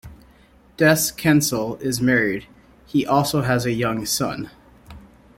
Des Kensel is married, he also has a young son.